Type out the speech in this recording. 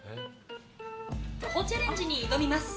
徒歩チャレンジに挑みます。